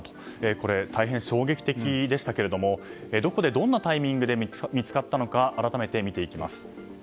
これは大変衝撃的でしたけどもどこで、どんなタイミングで見つかったのか改めて見ていきます。